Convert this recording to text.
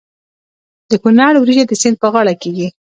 د کونړ وریجې د سیند په غاړه کیږي.